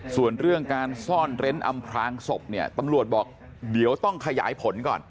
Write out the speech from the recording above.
ส่วนเรื่องการซ่อนเร้นอำพลางศพเนี่ยตำรวจบอกเดี๋ยวต้องขยายผลก่อน